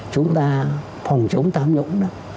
chúng ta phòng chống tam nhũng đó